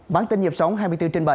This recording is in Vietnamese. bản tin dịp sóng hai mươi bốn trên bảy